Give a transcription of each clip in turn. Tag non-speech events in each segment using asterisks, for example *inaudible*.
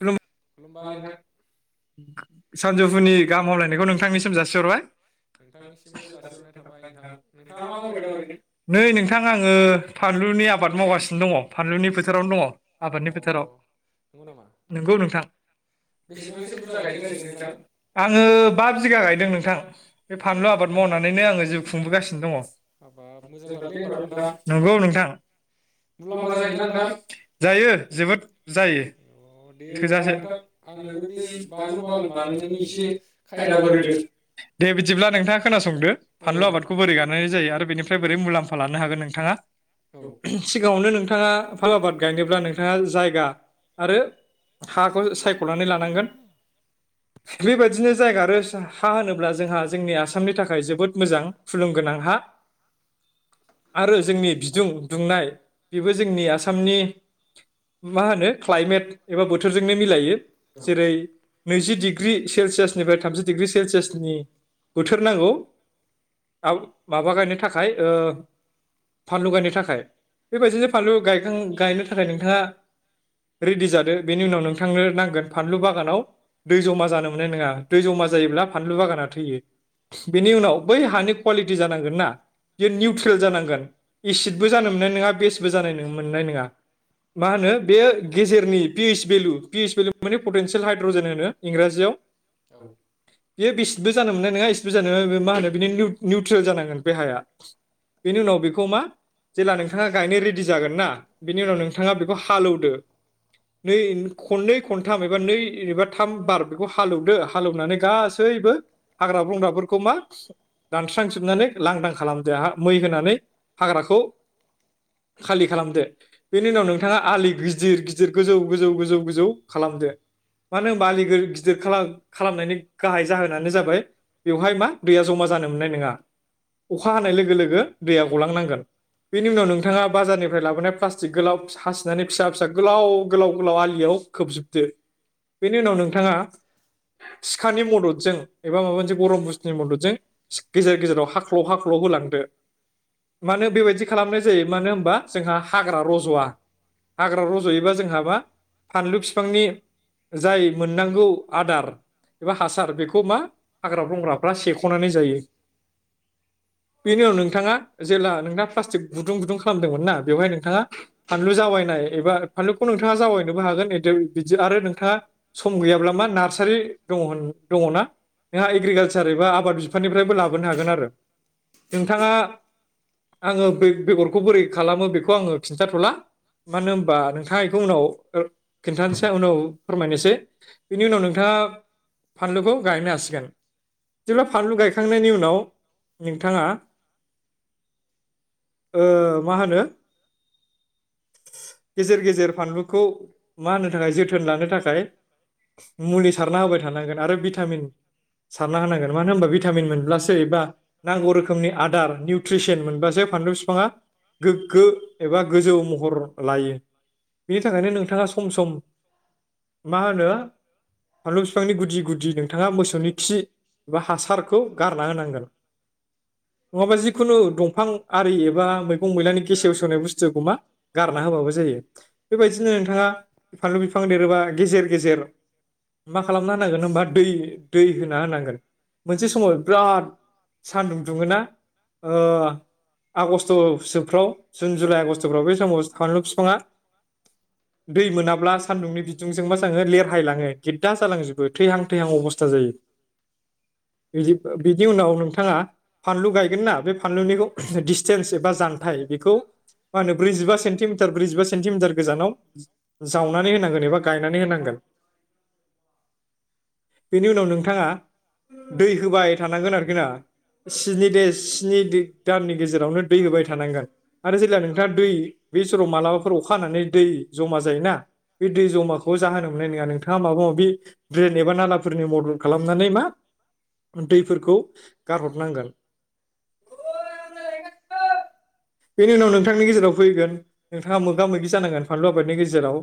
*unintelligible* सानजौफुनि गाहाम हामलायनायखौ नोंथांनिसिम जासिहरबाय *unintelligible* नोंथाङा मा मावबाय दं ओरैनो? नै नोंथां आङो फानलुनि आबाद मावगासिनो दङ फानलुनि फोथारावनो दङ आबादनि फोथाराव। नंगौ नोंथां बेसेबांसो बुरजा गायदों ओरैनो नोंथां? आङो बा बिगा गायदों नोंथां, बे फानलु आबाद मावनानैनो आङो जिउ खुंबोगासिनो दङ। *unintelligible* नंगौ नोंथां मुलाम्फा जायो ना नोंथां? जायो जोबोद जायो। थोजासे *unintelligible* बानलु आबाद बानायनायनि एसे खायदाफोर होदों दे बिदिब्ला नोंथाङा खोनासंदो फानलु आबादखौ बोरै गायनाय जायो आरो बेनिफ्राय बोरै मुलाम्फा लानो हागोन नोंथाङा। औ सिगाङावनो नोंथाङा फाल आबाद गायनोब्ला नोंथाङा जायगा आरो हाखौ सायखनानै लानांगोन। बेबायदिनो जायगा आरो हा होनोब्ला जोंहा जोंनि आसामनि थाखाय जोबोद मोजां फुलुं गोनां हा आरो जोंनि बिदुं दुंनाय बेबो जोंनि आसामनि मा होनो क्लाइमेट। *unintelligible* बोथोरजोंनो मिलायो जेरै नैजि डिग्री सेलसियासनिफ्राय थामजि डिग्रि सेलसियासनि बोथोर नांगौ आब माबा गायनो थाखाय ओ फानलु गायनो थाखाय बेबायदिनो फानलु गायखां गायनो थाखाय नोंथाङा रेडि जादो। नि उनाव नोंथांनो नांगोन फानलु बागानाव दै जमा जा नाय नङा दै जमा जायोब्ला फानलु बागाना थैयो बेनि उनाव बै हानि कवालिटि जानांगोन ना बियो निउट्रेल जानांगोन एसिदबो जानो मोननाय नङा बेसबो जानाय मोननाय नङा मा होनो बे गेजेरनि पिस भेलु पिस भेलु माने पटेनन्सियेल हाइड्रजेन होनो इंराजियाव। बियो बेसिदबो जानो मोननाय नङा इसिदबो जानो *unintelligible* मा होनो बिनि निउ-निउट्रेल जानांगोन बे हाया बेनि उनाव बेखौ मा जेला नोंथाङा गायनो रेडि जागोन ना बेनि उनाव नोंथाङा बेखौ हालौदो। नै खनै खनथाम एबा नै एबा थाम बार बेखौ हा दो हालौनानै गासैबो हांग्रा-बंग्राफोरखौ मा दानस्रांजोबनानै लांदां खालामदो हा मै होनानै हाग्राखौ खालि खालामदो बेनि उनाव नोंथाङा आलि गिदिर- गिदि गोजौ-गोजौ-गोजौ-गोजौ खालामदो मानो होमबा आलि गिर गिदिर खालाम-खालामनायनि गाहाय जाहोनानो जाबाय बेवहाय मा दैया जमा जानो मोननाय नङा अखा हानाय लोगो लोगो दैया गलांनांगोन बेनि उनाव नोंथाङा बाजारनिफ्राइ लाबोनाय प्लासटिक गोलाव हासिनानै फिसा-फिसा गोलाव-गोलाव-गोलाव आलियाव खोबजोबदो बेनि उनाव नोंथाङा सिखानि मददजों एबा माबा मोनसे गरम बुस्थुनि मददजों गेजेर-गेजेराव हाख्ल-हाख्ल होलांदो मानो बेबायदि खालामनाय जायो मानो होमबा जोंहा हाग्रा रजवा हाग्रा रज बेबा जोंहाबा फानलु बिफांनि जाय मोननांगौ एबा हासार बेखौ मा हाग्रा-बंग्राफ्रा सेखनानै जायो। बेनि उनाव नोंथाङा जेब्ला नोंथाङा प्लास्टिक गुदुं-गुदुं खालामदोंमोन ना बेवहाय नोंथाङा फानलु जावायनाय एबा फानलुखौ नोंथाङा जावायनोबो हागोन इदि बिदि आरो नोंथाङा सम गैयाब्ला मा नार्सारि दङ होन दङना नोंहा एग्रिकालसार एबा आबाद बिफाननिफ्रायबो लाबोनो हागोन आरो। नोंथाङा आङो बै बेगरखौ बोरै खालामो बेखौ आङो खिन्थाथला मानो होनबा नोंथा *unintelligible* एखौ उनाव खिन्थानोसै उनाव फोरमायनोसै बिनि उनाव नोंथाङा फानलुखौ गायनो हासिगोन बिदिब्ला फानलु गायखांनायनि उनाव नों थाङा ओ मा होनो? गेजेर गेजेर फानलुखौ मा होनो थाखाय जोथोन लानो थाखाय मुलि सारना होबाय थानांगोन आरो भिटामिन सारना होनांगोन मानो होनबा भिटामिन मोनब्लासो एबा नांगौ रोखोमनि आदार निउट्रिसन मोनब्लासो फानलु बिफाङा गोग्गो एबा गोजौ महर लायो। बेनि थाखायनो नोंथाङा सम सम मा होनो फानलु बिफांनि गुदि गुदि नोंथाङा मोसौनि खि एबा हासारखौ गारना होनांगोन नङाबा जिखुनु दंफां आरि एबा मैगं मैलानि गेसेव सोवनाय बुस्थुखौ मा गा गारना होबाबो जायो। बेबायदिनो नोंथाङा फानलु बिफां देरोबा गेजेर गेजेर मा खालामना होनांगोन होमबा दै दै होना होनांगोन मोनसे समाव बिराद सानदुं दुङोना ओ आगष्टसोफ्राव जुन जुलाइ आगष्टफ्राव बे समाव बानलु बिफाङा दै मोनाब्ला सान्दुंनि बिदुंजों मा जङो लेरहायलाङो गेददा जालांजोबो थैहां थैहां अबस्था जायो। बिनि उनाव नोंथाङा फानलु गायगोन ना बे फानलुनिखौ दिसटेन्स एबा जानथाय बेखौ मा होनो ब्रैजिबा सेन्टिमिटार ब्रैजिबा मिटार गोजानाव जावनानै होनांगोन एबा गायनानै होनांगोन बेनि उनाव नोंथाङा दै होबाय थानांगोन आरोखि ना स्नि दे स्नि दे दाननि गेजेरावनो दै होबाय थानांगोन आरो जेब्ला नोंथाङा दै बे साव मालाबा अखा हानानै दै जमा जायोना बे दै जमाखौ जाहोनो मोननाय नङा नोंथाङा माबा माबि द्रेन एबा नाला फोरनि मदद खालामनानै मा दैफोरखौ गारहरनांगोन बेनि उनाव नोंथांनि गेजेराव फैगोन नोंथांङा मोगा मोगि जानांगोन फानलु आबादनि गेजेराव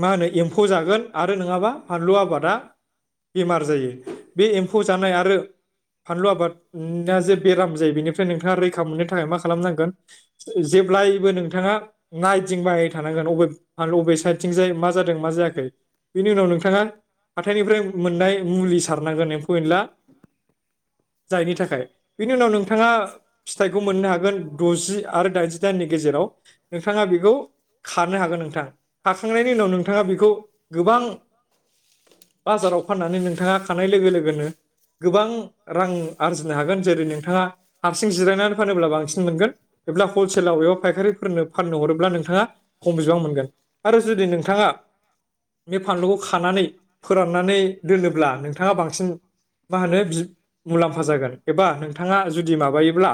मा होनो एम्फौ जागोन आरो नङाबा फानलु आबादा बेमार जायो बे एम्फौ जानाय आरो फानलु आबादा जे बेराम जायो बेनिफ्राय नोंथाङा रैखा मोननो थाखाय मा खालामनांगोन जेब्लायबो नोंथाङा नायथिंबाय थानांगोन अबे बबे साइदथिं जाय मा जादों मा जायाखै बिनि उनाव नोंथाङा हाथायनिफ्राय मोननाय मुलि सारनांगोन एम्फौ-एनला जायनि थाखाय बिनि उनाव नोंथाङा फिथाइखौ मोननो हागोन दजि आरो दाइनजि दाइननि गेजेराव नोंथाङा बेखौ खानो हागोन नोंथां खाखांनायनि उनाव नोंथाङा बेखौ गोबां बाजाराव फान नोंथाङा खानाय लोगो लोगोनो गोबां रां आरजिनो हागोन जेरै नोंथाङा हारसिं जिरायनानै फानोब्ला बांसिन मोनगोन एब्ला हलसेलाव बेयाव फायखारिफोरनो फाननो हरोब्ला नोंथाङा खम बिबां मोनगोन आरो जुदि नोंथाङा बे फानलुखौ खानानै फोराननानै नोंथाङा बांसिन मा होनो मुलाम्फा जागोन एबा नोंथाङा जुदि माबायोब्ला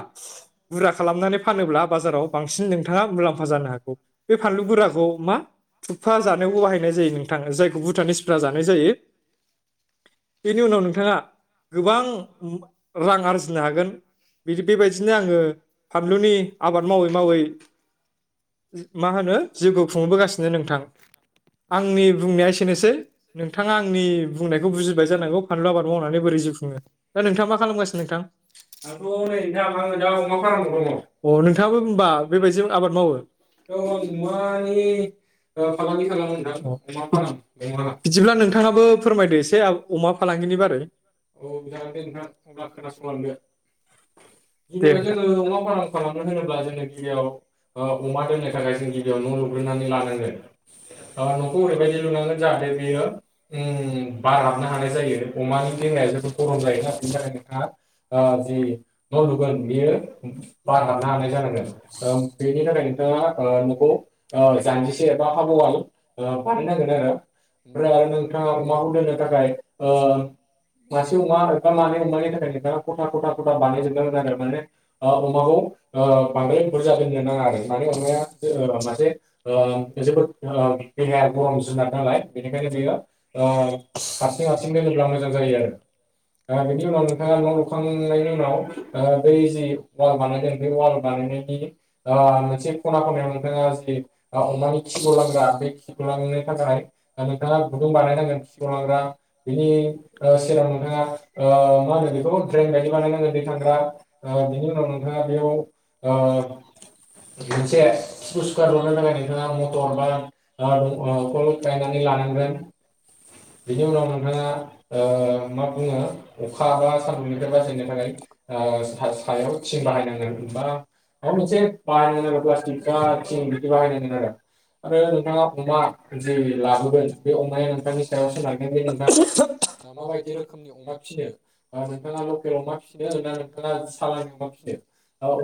बुरजा खालामनानै फानोब्ला बाजाराव बांसिन नोंथाङा मुलाम्फा जानो हागौ बे फानलु गोराखौ मा थुफा जानायाव बाहायनाय जायो नोंथां जायखौ भुटानिसफोरा जानाय जायो। बेनि उनाव नोंथाङा गोबां रां आरजिनो हागोन बिदि बेबायदिनो आङो फानलुनि आबाद मावै मावै मा होनो जिउखौ खुंबोगासिनो नोंथां आंनि बुंनाया एसेनोसै नोंथाङा आंनि बुंनायखौ बुजिबाय जानांगौ फानलु आबाद मावनानै बोरै जिउ खुङो दा नोंथाङा मा खालामगासिनो नोंथां? आंथ नै नों थां दाव अमा फार्मबो दं। नोंथाङाबो होमबा बेबायदि आबाद मावो। बिदिब्ला नोंथाङाबो फोरमायदो एसे अमा फालांगिनि बारै औ। अमा दोननो थाखाय जों गिबियाव न लुग्रोननानै लानांगोन नखौ ओरैबायदि लुनांगोन जाहाथे बेयो ओ बारहाबनो हानाय जायो अमानि देहाया जोबोद गरम जायो ना बिनिथाखाय नोङो जे नलुगोन बेयो बार हाबनो हानाय जानांगोन। बेनि थाखायनो नोंथाङा ओ न'खौ ओ जान्दिसे एबा हाबवाल ओ बानायनांगोन आरो ओमफ्राय आरो नोंथाङा अमाखौ दोननो थाखाय ओ मासे अमा एबा मानै अमानि थाखाय नोंथाङा खथा खथा खथा बानायजोबनांगोन आरो माने ओ अमाखौ ओ बांद्राय बुरजा दोननो *inaudible* ओ माने अमाया जो ओ मासे ओ जोबोद ओ देहाया गरम जुनार नालाय बेनिखायनो बेयो ओ हारसिं हारसिं दोनोब्ला मोजां जायो आरो ओ बिनि उनाव नोंथाङा न लुखांनायनि उनाव ओ बै जि वाल बानायदों बे वाल बानायनायनि *unintelligible* मोनसे खना खनायाव नोंथाङा जि ओ अमानि खिगलांग्रा बे खिगलांनो थाखाय ओ नोंथाङा गुदुं बानायनांगोन खिगलांग्रा बिनि ओ सेराव नोंथाङा ओ मा होनो बेखौ ड्रेन बायदि बानायनांगोन दै थांग्रा ओ बिनि उनाव नोंथाङा बेयाव ओ ओरै मोनसे खिखौ सुगारहरनो थाखाय नोंथाङा मटर बा दंखल गायनानै लानांगोन बेनि उनाव नोंथाङा ओ मा बुङो अखा बा सानदुंनिफ्राय बासायनो थाखाय ओ सा-सायाव थिं बाहायनांगोन बा माबा मोनसे बाहायनांगोन आरो प्लास्टिक बा थिं बिदि बाहायनांगोन आरो आरो नोंथाङा अमा जि लाबोगोन बे अमाया नोंथांनि सायाव सोनारगोन बे नोंथाङा माबायदि रोखोमनि अमा फिसिनो नोंथाङा लकेल अमा फिसिनो ना नोंथाङा सालानि अमा फिसिनो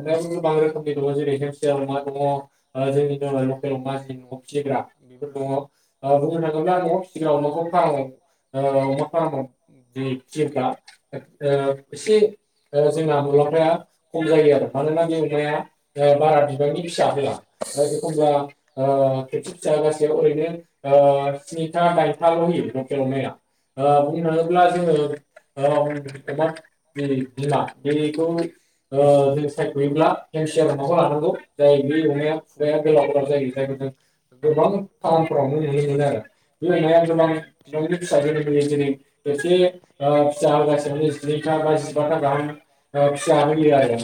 अमायाबो गोबां रोखोमनि जेरै हेमसियार अमा दङ ओ जोंनिनो लकेल अमा जे न'आव फिसिग्रा बेफोर दङ ओ बुंनो थाङोब्ला न'आव फिसिग्रा अमाखौ फार्माव ओ अमा फार्माव जे फिसियोब्ला ओ एसे जोंना मुलाम्फाया खम जायो आरो मानोना बे अमाया बारा बिबांनि फिसा होआ एखमल्बा ओ खेबसे फिसा होगासेयाव ओरैनो ओ स्निथा दाइनथाल' होयो लकेल अमाया ओ बुंनो थाङोब्ला जोङो ओ अमा बिमा बेखौ ओ जों सायखयोब्ला हेमसियार अमाखौ लानांगौ जाय बे अमाया खुगाया गोलाव गोलाव जायो जायखौ जों गोबां फार्मफोरावनो नुनो मोनो आरो बे अमाया गोबां बिबांनि फिसा जोनोम होयो जेरै खेबसे ओ फिसा होगासेयावनो ओ जिनैथा बा जिबााथा गाहाम फिसा होयो आरो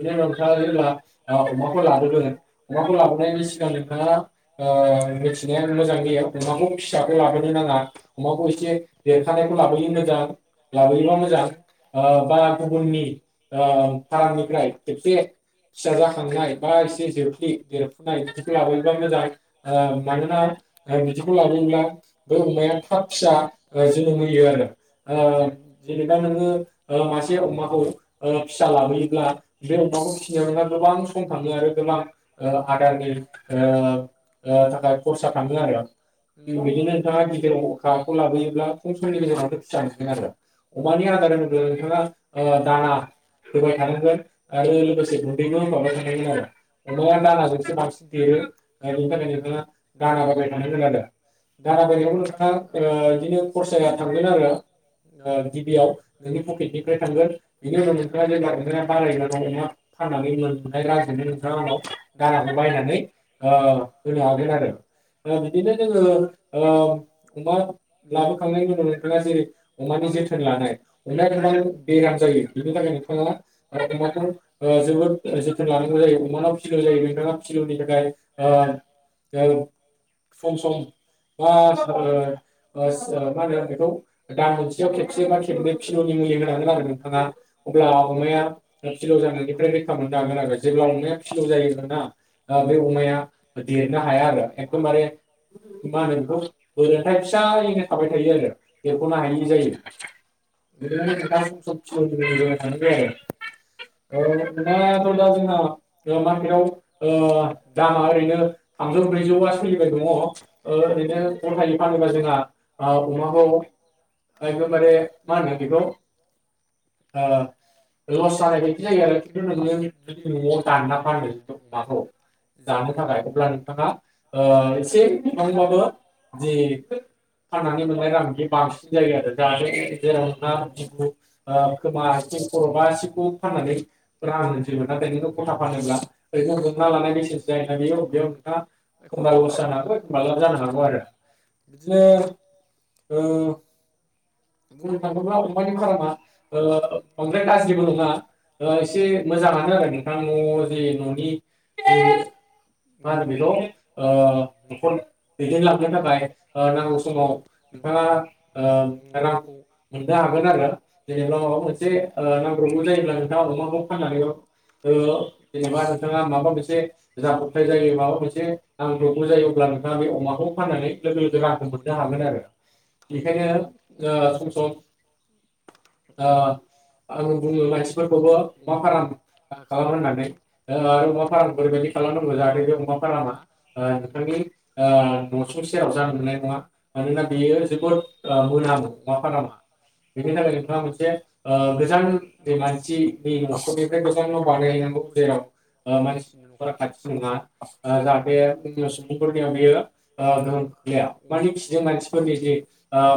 बिनि उनाव नोंथाङा जेब्ला ओ अमाखौ लाबोगोन अमाखौ लाबोनायनि सिगां नोंथाङा ओ मिथिनाया मोजां दि अमाखौ फिसाखौ लाबोनो नाङा अमाखौ एसे देरखानायखौ लाबोयो मोजां लाबोयोबा मोजां ओ बा ओ गुबुननि फारमनिफ्राय खेबसे फिसा जाखांनाय बा एसे जोख्लि देरफुनाय बिदिखौ लाबोयोबा मोजां ओ मानोना ओ बिदिखौ लाबोयोब्ला बै अमाया थाब फिसा ओ जोनोम होयो आरो ओ जेनेबा नोङो ओ मासे अमाखौ फिसा लाबोयोब्ला बे अमाखौ फिसिनायाव नोंहा गोबां सम थाङो आरो गोबां ओ आदारनि ओ ओ थाखाय खरसा थाङो आरो बिदिनो नोंथाङा गिदिर अमाखौ लाबोयोब्ला खम समनि गेजेरावनो फिसा मोनगोन आरो अमानि आदार होनोब्ला ओ नोंथाङा दाना होबाय थानांगोन। आरो लोगोसे गुन्दैबो होफाबाय थानांगोन आरो अमाया दानाजोंसो बांसिन देरो बेनि थाखाय नोंथाङा दाना बायबाय थानांगोन आरो दाना बायनायावबो नोंथाङा बिदिनो खरसाया थांगोन आरो गिबियाव नोंनि पकेटनिफ्राय थांगोन बेनि उनाव नोंथाङा जेब्ला अमाया बारायगोन अमा फाननानै मोननाय रांजोंनो नोंथाङा उनाव दानाखौ बायनानै ओ होनो हागोन आरो ओ बिदिनो जोङो ओ अमा लाबोखांनायनि उनाव नोंथाङा जेरै- अमानि जोथोन लानाय अमाया गोबां बेराम जायो बिनि थाखाय नोंथाङा ओ अमा खौ ओ जोबोद जोथोन लानांगौ जायो अमानाव फिलौ जायो नोंथाङा फिलौनि थाखाय ओ ओ सम सम बा ओ ओस मा होनो बेखौ दान मोनसेयाव खेबसे बा खेबनै फिलौनि मुलि होनांगोन आरो नोंथाङा अब्ला अमाया फिलौ जानायनिफ्राय रैखा मोननो हागोन आरो जेब्ला अमाया फिलौ जायोना बे अमाया देरनो हाया आरो एखदमबारे मा होनो बेखौ बोरोन्थाय फिसायैनो थाबाय थायो आरो देरखनो हायि जायो ओ अमायाथ दा जोंहा ओ मार्केटाव ओ दामा ओरैनो थामजौ ब्रैजौआ सोलिबाय दङ ओ ओरैनो गथायै फानोबा जोंहा ओ अमाखौ एकदमबारे मा होनो बेखौ ओ लस जानाय बायदि जायो आरो खिन्थु नोङो न'आव दानना फानो अमाखौ जानो थाखाय अब्ला नोंथाङा ओ एसे बिबांयैबाबो जे फाननानै मोननाय रां बि बांसिन जायो आरो *unintelligible* फाननानै रां मोनजोबो नाथाय नोङो गथा फानोब्ला ओरैनो हमना लानाय बेसेनसो जायोना बेयाव बेयाव नोंथाङा एखमबा लस जानो हागौ एखमबा लाब जानो हागौ आरो बिदिनो ओ बुंनो थाङोब्ला अमानि फार्माया बांद्राय *unintelligible* एसे मोजाङानो आरो नोंथां न'जि न'नि जि मा होनो बेखौ ओ नखर दैदेनलांनो थाखाय ओ नांगौ समाव नोंथाङा ओ रांखौ मोननो हागोन आरो जेनेबा माबा मोनसे ओ नां जायोब्ला नोंथाङा अमाखौ फान्नानैबा ओ जेनेबा नोंथाङा माबा मोनसे जाब्रबथाय जायो माबा मोनसे नांब्रबगौ जायो अब्ला नोंथाङा बे अमाखौ फाननानै लोगो लोगो रांखौ मोननो हागोन आरो बेनिखायनो ओ सम सम ओ आं बुङो मानसिफोरखौबो अमा फाराम खालाम होननानै ओ आरो अमा फारामखौ ओरैबायदि खालामनांगौ जाहाथे बे अमा फारामा ओ नोंथांनि नसुं सेराव जानो मोननाय नङा मानोना बेयो जोबोद मोनामो अमा फारामा बेनि थाखाय नोंथाङा मोनसे ओ बे मानसिनि नखरनिफ्राय गोजानाव बानायहैनांगौ जेराव ओ मानसिनि नखरा खाथि नङा जाहाथे सुबुंफोरनियाव बेयो ओ गोहोम खोख्लैया अमानि खिजों मानसिफोरनि जि ओ